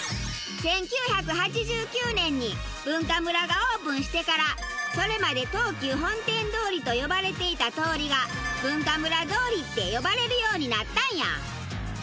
１９８９年にＢｕｎｋａｍｕｒａがオープンしてからそれまで東急本店通りと呼ばれていた通りが文化村通りって呼ばれるようになったんや。